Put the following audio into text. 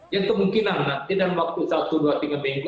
yang kemungkinan nanti dalam waktu satu dua tiga minggu